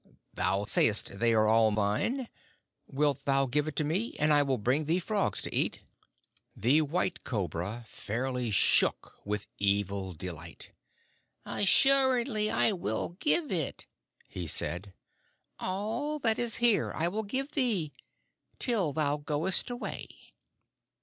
Thou sayest they are all thine? Wilt thou give it to me, and I will bring thee frogs to eat?" The White Cobra fairly shook with evil delight. "Assuredly I will give it," he said. "All that is here I will give thee till thou goest away."